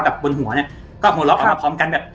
แบบบนหัวเนี่ยก็หลอกผ้าพร้อมกันแบบ